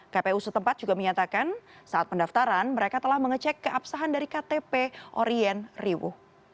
kpu setempat juga menyatakan saat pendaftaran mereka telah mengecek keabsahan dari ktp orien riwu